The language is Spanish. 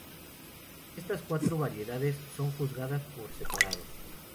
Estas cuatro variedades son juzgadas por separado.